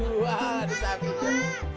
inyoman sudah di jual